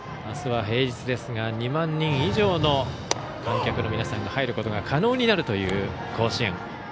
あすは平日ですが２万人以上の観客の皆さんが入ることが可能になるという甲子園。